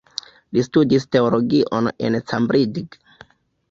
Li studis teologion en Cambridge.